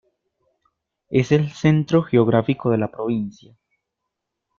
Es el centro geográfico de la provincia.